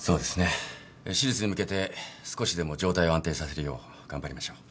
手術に向けて少しでも状態を安定させるよう頑張りましょう。